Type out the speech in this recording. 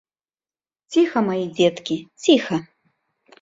Ціха, мае дзеткі, ціха.